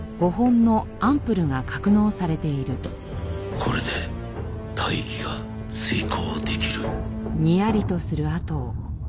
これで大義が遂行できる。